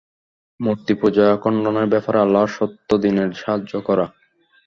মূর্তিপূজা খণ্ডনের ব্যাপারে আল্লাহর সত্য দীনের সাহায্য করা।